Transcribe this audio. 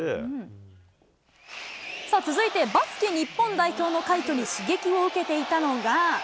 さあ、続いてバスケ日本代表の快挙に刺激を受けていたのが。